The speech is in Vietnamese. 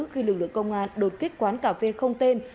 khi lực lượng công an đột kích quán cà phê không tên